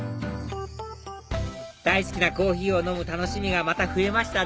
大好きなコーヒーを飲む楽しみがまた増えましたね